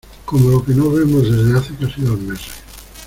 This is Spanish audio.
como la que no vemos desde hace casi dos meses.